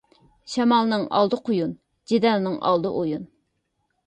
شامالنىڭ ئالدى قۇيۇن، جېدەلنىڭ ئالدى ئويۇن.